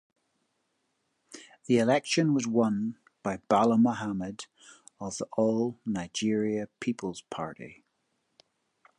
The election was won by Bala Mohammed of the All Nigeria Peoples Party.